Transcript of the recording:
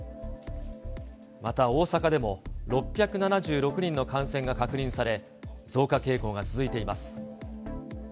また大阪でも６７６人の感染が確認され、増加傾向が続いています。